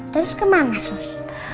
terus kemana sus